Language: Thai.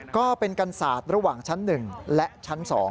ก็เป็นกันศาสตร์ระหว่างชั้น๑และชั้น๒